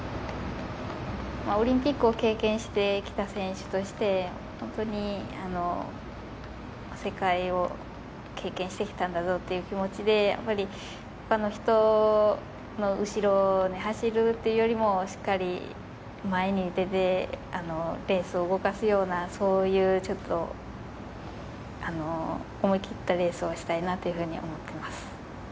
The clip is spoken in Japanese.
オリンピックを経験してきた選手として本当に世界を経験してきたんだぞという気持ちで、他の人の後ろを走るというよりも、しっかり前に出てレースを動かすようなそういう、ちょっと思い切ったレースをしたいなと思っています。